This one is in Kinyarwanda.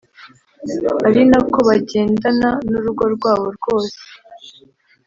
ari nako bagendana n’urugo rwabo rwose